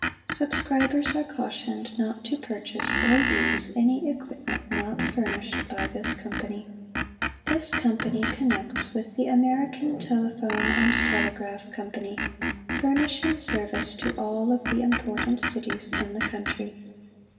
Subscribers are cautioned not to purchase or use any equipment not fur nished by this Company. This Company Connects with the American Telephone & Tele graph Company, furnishing service to all of the important cities in the country.